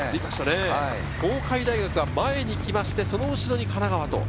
東海大学が前に来まして、その後ろに神奈川。